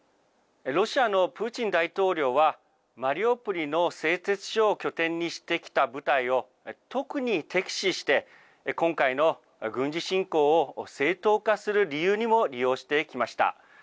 ロシアのプーチン大統領は、マリウポリの製鉄所を拠点にしてきた部隊を、特に敵視して、今回の軍事侵攻を正当化する理由にも利用してきました。